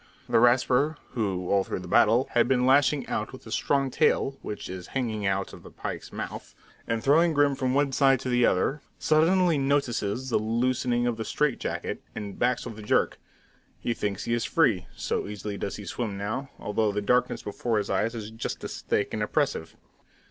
The Rasper, who, all through the battle, has been lashing out with his strong tail, which is hanging out of the pike's mouth, and throwing Grim from one side to the other, suddenly notices the loosening of the strait jacket, and backs with a jerk. He thinks he is free, so easily does he swim now, although the darkness before his eyes is just as thick and oppressive.